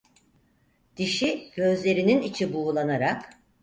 Dişi, gözlerinin içi buğulanarak: